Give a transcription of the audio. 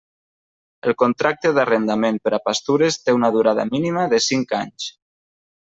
El contracte d'arrendament per a pastures té una durada mínima de cinc anys.